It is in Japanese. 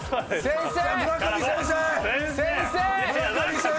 先生！